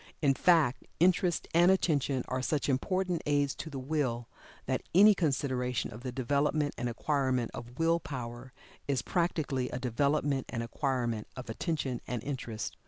In fact interest and attention are such important aids to the Will, that any consideration of the development and acquirement of Will power is practically a development and acquirement of attention and interest.